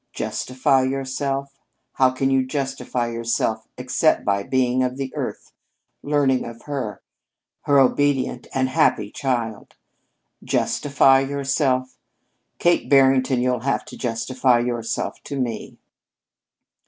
Justify yourself? How can you justify yourself except by being of the Earth, learning of her; her obedient and happy child? Justify yourself? Kate Barrington, you'll have to justify yourself to me."